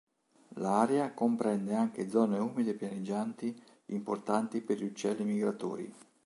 L'area comprende anche zone umide pianeggianti importanti per gli uccelli migratori.